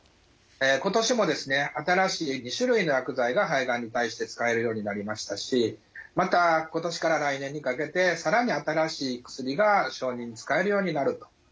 今年もですね新しい２種類の薬剤が肺がんに対して使えるようになりましたしまた今年から来年にかけて更に新しい薬が承認使えるようになるというふうな状況です。